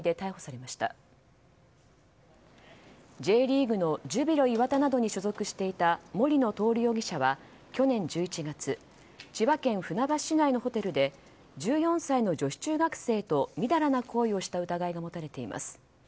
Ｊリーグのジュビロ磐田などに所属していた森野徹容疑者は去年１１月千葉県船橋市内のホテルで１４歳の女子中学生とみだらな行為をした疑いが持たれています。